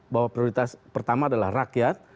bahwa prioritas pertama adalah rakyat